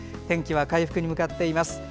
天気は回復に向かっています。